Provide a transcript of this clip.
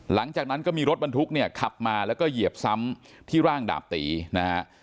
หลังจากนั้นก็มีรถบรรทุกเนี่ยขับมาแล้วก็เหยียบซ้ำที่ร่างดาบตีนะฮะ